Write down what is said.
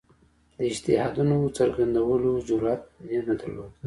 د اجتهادونو څرګندولو جرئت نه درلود